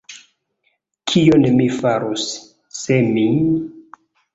Kion mi farus, se mi…